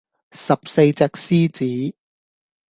十四隻獅子